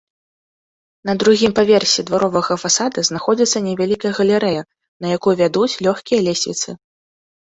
На другім паверсе дваровага фасада знаходзіцца невялікая галерэя, на якую вядуць лёгкія лесвіцы.